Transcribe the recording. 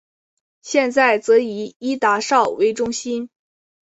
现在则以伊达邵为中心。